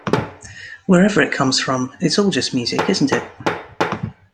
Wherever it comes from, it's all just music, isn't it?